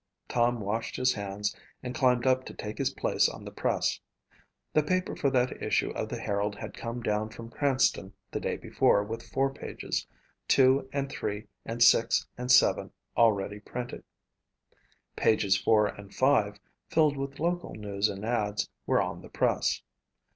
Tom washed his hands and climbed up to take his place on the press. The paper for that issue of the Herald had come down from Cranston the day before with four pages, two and three and six and seven already printed. Pages four and five, filled with local news and ads, were on the press.